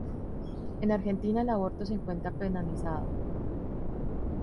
En Argentina el aborto se encuentra penalizado.